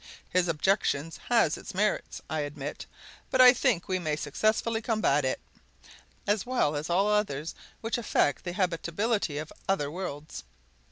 His objection has its merits, I admit; but I think we may successfully combat it, as well as all others which affect the habitability of other worlds.